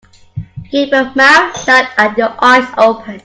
Keep your mouth shut and your eyes open.